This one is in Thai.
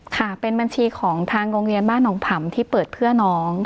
ค่ะเป็นบัญชีของทางโรงเรียนบ้านหนองผำที่เปิดเพื่อน้อง